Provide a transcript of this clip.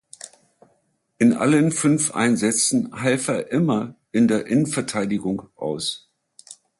In allen fünf Einsätzen half er immer in der Innenverteidigung aus.